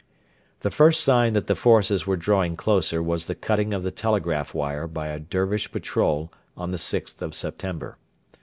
The first sign that the forces were drawing closer was the cutting of the telegraph wire by a Dervish patrol on the 6th of September.